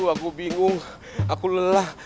aku bingung aku lelah